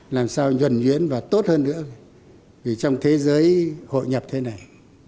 làm sao nhuẩn nhuyễn và tốt hơn nữa vì trong thế giới hội nhập thế này